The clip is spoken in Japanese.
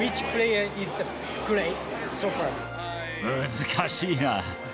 難しいな。